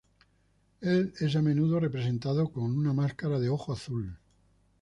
Él es a menudo representado con una máscara de ojo azul.